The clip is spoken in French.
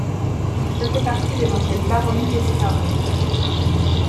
Il faisait partie de l'ancienne Baronnie d'Esparros.